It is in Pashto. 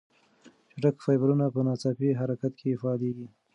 چټک فایبرونه په ناڅاپي حرکت کې فعالېږي.